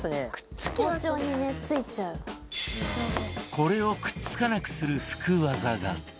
これをくっつかなくする福ワザが